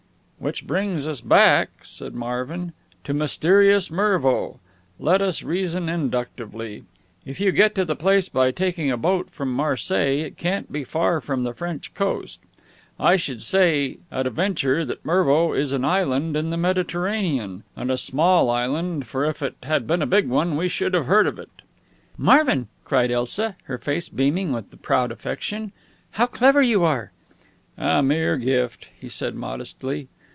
"Which brings us back," said Marvin, "to mysterious Mervo. Let us reason inductively. If you get to the place by taking a boat from Marseilles, it can't be far from the French coast. I should say at a venture that Mervo is an island in the Mediterranean. And a small island for if it had been a big one we should have heard of it." "Marvin!" cried Elsa, her face beaming with proud affection. "How clever you are!" "A mere gift," he said modestly.